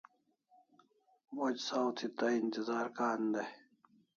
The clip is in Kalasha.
Moch saw thi tay intizar kan dai